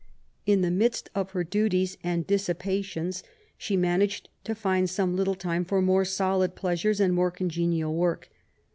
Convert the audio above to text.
In the midst of her duties and dissipations she managed to find some little time for more solid plea sures and more congenial work.